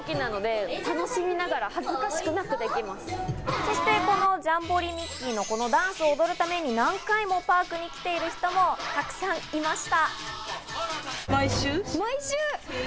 そして、このジャンボリミッキー！のこのダンスを踊るために、何回もパークに来ている人もたくさんいました。